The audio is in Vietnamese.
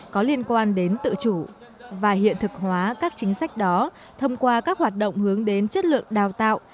có liên quan đến tự chủ và hiện thực hóa các chính sách đó thông qua các hoạt động hướng đến chất lượng đào tạo